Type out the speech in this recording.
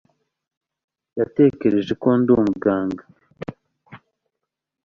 yatekereje ko ndi umuganga